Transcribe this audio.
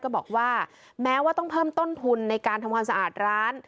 ก็บอกว่าแม้ว่าต้องเพิ่มต้นทุนในการทำความสะอาดร้าน